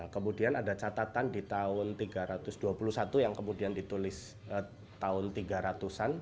kemudian ada catatan di tahun tiga ratus dua puluh satu yang kemudian ditulis tahun tiga ratus an